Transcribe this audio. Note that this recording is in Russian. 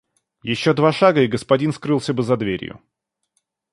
Ещё два шага и господин скрылся бы за дверью.